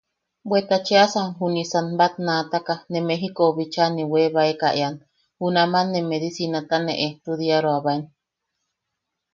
Bweta cheʼasan junisan batnaataka ne Mejikou bicha ne webaeka ean, junaman ne medicinata ne ejtudiaroabaen.